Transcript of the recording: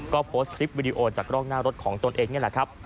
ก็โพสต์คลิปวิดีโอจากกล้องหน้ารถของตนเองนี่แหละครับ